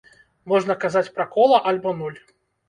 Можна казаць пра кола альбо нуль.